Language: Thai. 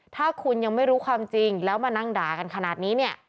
ถ้าคุณยังไม่รู้ความจริงแล้วมานั่งด่ากันขนาดนี้เนี่ย